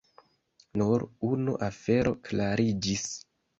Nur unu afero klariĝis.